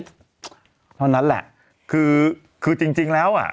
เท่านั้นแหละ